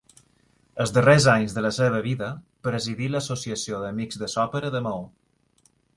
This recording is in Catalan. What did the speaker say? Els darrers anys de la seva vida presidí l'Associació d'Amics de s'Òpera de Maó.